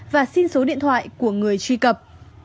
và xin số điện thoại của người truy cập